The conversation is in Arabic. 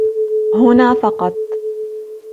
هنا فقط